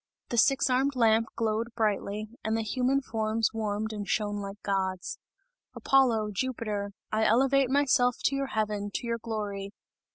The six armed lamp glowed brightly, and the human forms warmed and shone like gods. "Apollo! Jupiter! I elevate myself to your heaven, to your glory!